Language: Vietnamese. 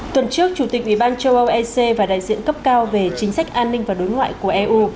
tuần trước chủ tịch ủy ban châu âu ec và đại diện cấp cao về chính sách an ninh và đối ngoại của eu